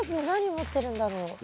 何持ってるんだろう？